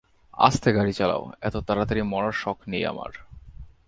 আস্তে গাড়ি চালাও, এত তাড়াতাড়ি মরার শখ নেই আমার।